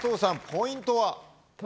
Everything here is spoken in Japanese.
ポイントは？